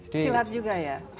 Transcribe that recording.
silat juga ya